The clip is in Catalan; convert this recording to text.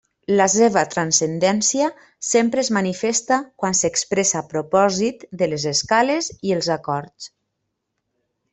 La seva transcendència sempre és manifesta quan s'expressa a propòsit de les escales i els acords.